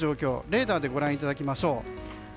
レーダーでご覧いただきましょう。